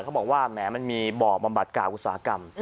เขาบอกว่าแหมมันมีบ่อบำบัดก่าอุตสาหกรรม